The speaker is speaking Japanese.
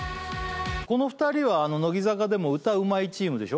この２人は乃木坂でも歌うまいチームでしょ？